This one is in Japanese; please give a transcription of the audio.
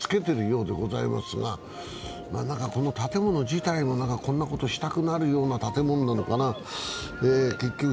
もちろん安全ベルトはつけているようでございますが、建物自体もこんなことしたくなるような建物なのかな。